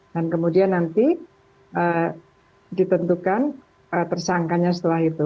dan kemudian nanti ditentukan tersangkanya setelah itu